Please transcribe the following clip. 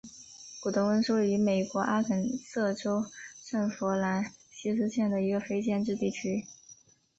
古得温是位于美国阿肯色州圣弗朗西斯县的一个非建制地区。